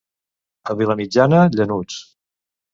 A Vilamitjana, llanuts.